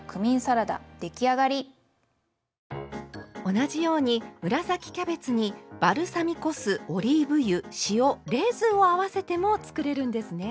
同じように紫キャベツにバルサミコ酢オリーブ油塩レーズンを合わせても作れるんですね。